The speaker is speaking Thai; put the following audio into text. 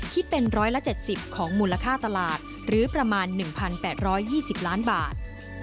คิดเป็น๑๗๐ของมูลค่าตลาดหรือประมาณ๑๘๒๐ล้านบาท